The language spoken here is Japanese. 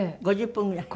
５０分ぐらい？